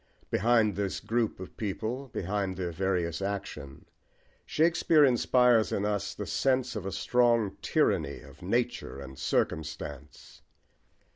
Behind this group of people, behind their various action, Shakespeare inspires in us the sense of a strong tyranny of nature and circumstance.